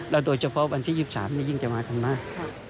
แล้วโดยเฉพาะวันที่๒๓นี้ยิ่งจะมาก